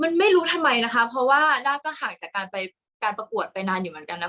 มันไม่รู้ทำไมนะคะเพราะว่าด้าก็ห่างจากการไปการประกวดไปนานอยู่เหมือนกันนะ